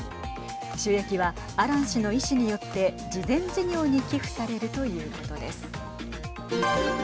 収益はアラン氏の遺志によって慈善事業に寄付されるということです。